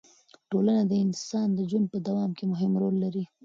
ټولنه د انسان د ژوند په دوام کې مهم رول لري.